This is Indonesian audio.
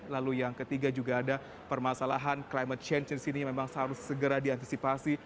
lalu yang ketiga juga ada permasalahan climate change di sini yang memang harus segera diantisipasi